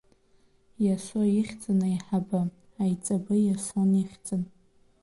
Иоса ихьӡын аиҳабы, аиҵбы Иасон ихьӡын.